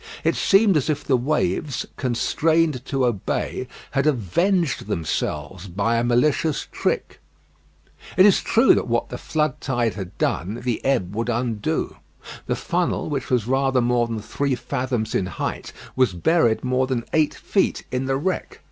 It seemed as if the waves, constrained to obey, had avenged themselves by a malicious trick. It is true that what the flood tide had done, the ebb would undo. The funnel, which was rather more than three fathoms in height, was buried more than eight feet in the wreck.